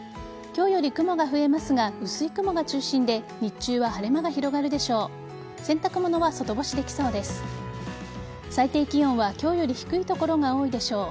今日より雲が増えますが薄い雲が中心で日中は晴れ間が広がるでしょう。